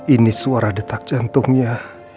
ini suara detak jantungnya